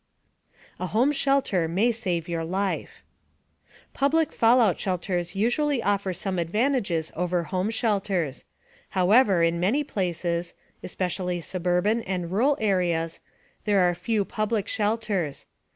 A HOME SHELTER MAY SAVE YOUR LIFE Public fallout shelters usually offer some advantages over home shelters. However, in many places especially suburban and rural areas there are few public shelters.